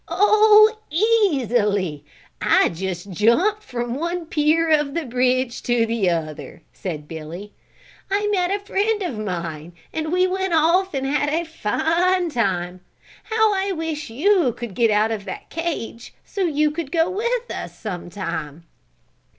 "Oh, easily! I just jumped across from one pier of the bridge to the other," said Billy. "I met a friend of mine and we went off and had a fine time. How I wish you could get out of that cage, so you could go with us sometime!"